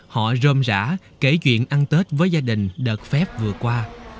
họ rơm rã kể chuyện ăn tết với gia đình đợt phép vừa qua